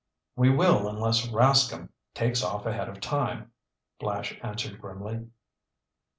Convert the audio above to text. "We will unless Rascomb takes off ahead of time!" Flash answered grimly.